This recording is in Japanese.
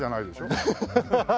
ハハハハ！